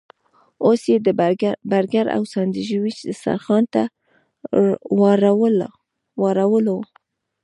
اوس یې د برګر او ساندویچ دسترخوان ته واړولو.